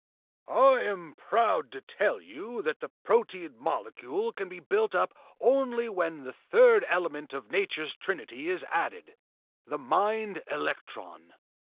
"I am proud to tell you that the proteid molecule can be built up only when the third element of nature's trinity is added the mind electron.